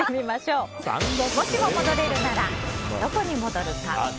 もしも戻れるならどこに戻るか。